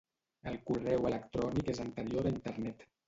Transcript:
El correu electrònic és anterior a Internet.